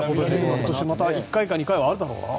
今年また１回２回はあるだろうな。